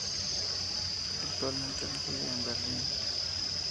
Actualmente reside en Berlín.